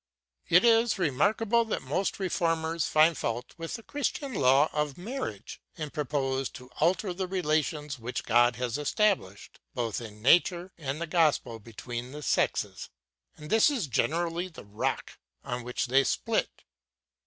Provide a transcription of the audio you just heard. It is remarkable that most reformers find fault with the Christian law of marriage, and propose to alter the relations which God has established both in nature and the gospel between the sexes; and this is generally the rock on which they split.